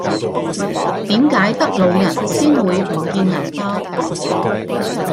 點解得老人先會唔見銀包